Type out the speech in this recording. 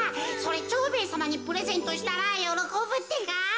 蝶兵衛さまにプレゼントしたらよろこぶってか。